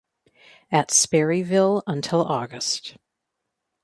At Sperryville until August.